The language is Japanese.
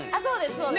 そうです